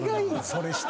それして。